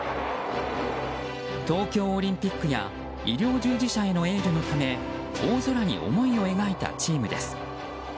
東京オリンピックや医療従事者へのエールのため大空に思いを描いたチームです。